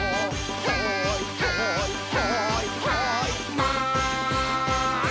「はいはいはいはいマン」